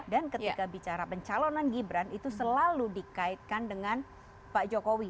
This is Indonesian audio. dan ketika bicara pencalonan gibran itu selalu dikaitkan dengan pak jokowi